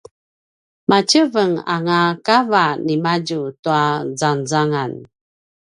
matjevenganga a kava nimadju tua zengzengan